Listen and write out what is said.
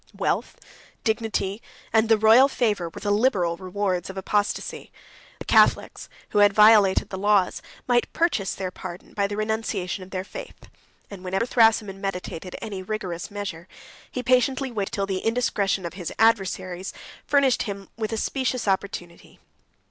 Wealth, dignity, and the royal favor, were the liberal rewards of apostasy; the Catholics, who had violated the laws, might purchase their pardon by the renunciation of their faith; and whenever Thrasimund meditated any rigorous measure, he patiently waited till the indiscretion of his adversaries furnished him with a specious opportunity.